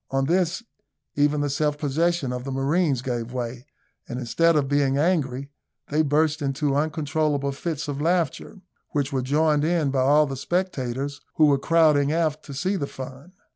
On this, even the self possession of the marines gave way; and instead of being angry, they burst into uncontrollable fits of laughter, which were joined in by all the spectators, who were crowding aft to see the fun.